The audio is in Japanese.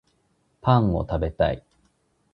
パン食べたい